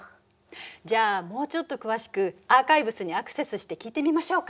じゃあもうちょっと詳しくアーカイブスにアクセスして聞いてみましょうか。